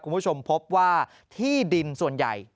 คุณผู้ชมพบว่าที่ดินส่วนใหญ่